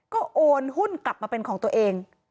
ก็โอนหุ้นกลับมาเป็นของตัวเอง